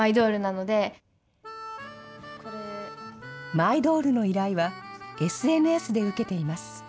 マイドールの依頼は、ＳＮＳで受けています。